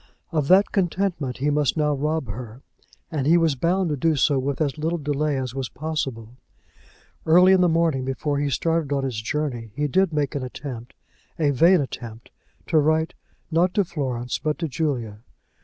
Of that contentment he must now rob her, and he was bound to do so with as little delay as was possible. Early in the morning before he started on his journey he did make an attempt, a vain attempt, to write, not to Florence but to Julia.